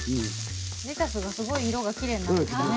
レタスがすごい色がきれいになってきたね。